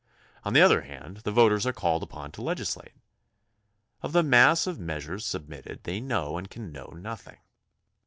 On the other hand, the voters are called upon to legislate. Of the mass of measures submitted they know and can know nothing.